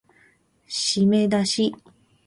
しめだし